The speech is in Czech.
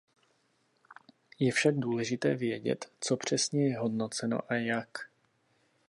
Je však důležité vědět, co přesně je hodnoceno a jak.